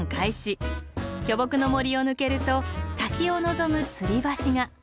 巨木の森を抜けると滝を望むつり橋が。